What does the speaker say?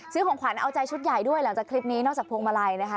ของขวัญเอาใจชุดใหญ่ด้วยหลังจากคลิปนี้นอกจากพวงมาลัยนะคะ